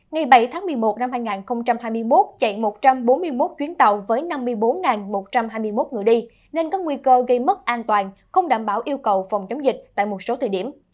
ngày bảy tháng một mươi một năm hai nghìn hai mươi một chạy một trăm bốn mươi một chuyến tàu với năm mươi bốn một trăm hai mươi một người đi nên có nguy cơ gây mất an toàn không đảm bảo yêu cầu phòng chống dịch tại một số thời điểm